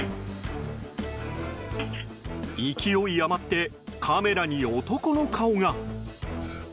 勢い余って、カメラに男の顔が。